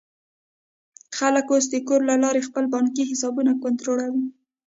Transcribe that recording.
خلک اوس د کور له لارې خپل بانکي حسابونه کنټرولوي.